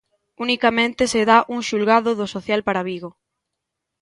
Unicamente se dá un xulgado do social para Vigo.